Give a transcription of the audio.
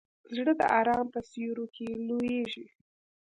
زړه د ارام په سیوري کې لویېږي.